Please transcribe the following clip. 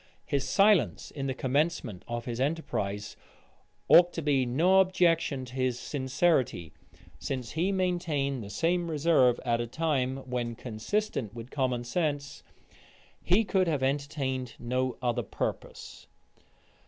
His silence in the commencement of his enterprise ought to be no objection to his sincerity; since he maintained the same reserve at a time when, consistent with common sense, he could have entertained no other purpose.[*] * See note AA, at the end of the volume.